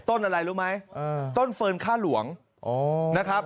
ต้นอะไรรู้ไหมต้นเฟิร์นค่าหลวงนะครับ